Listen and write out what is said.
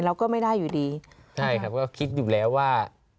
เราก็ไม่ได้อยู่ดีใช่ครับก็คิดอยู่แล้วว่า